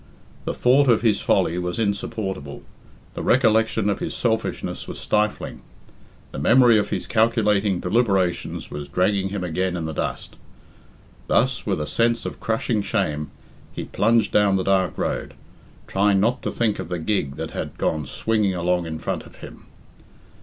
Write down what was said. The thought of his folly was insupportable; the recollection of his selfishness was stifling; the memory of his calculating deliberations was dragging him again in the dust. Thus, with a sense of crushing shame, he plunged down the dark road, trying not to think of the gig that had gone swinging along in front of him.